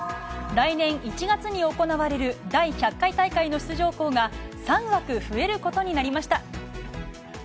来年１月に行われる第１００回大会の出場校が３枠増えることになりました。